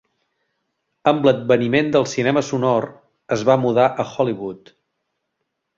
Amb l'adveniment del cinema sonor, es va mudar a Hollywood.